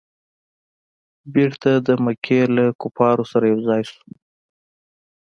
بیرته د مکې له کفارو سره یو ځای سو.